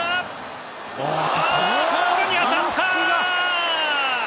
ポールに当たった！